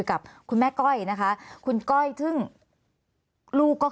มันเป็นอาหารของพระราชา